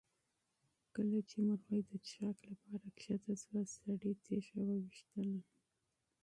کله چې مرغۍ د څښاک لپاره کښته شوه سړي تیږه وویشتله.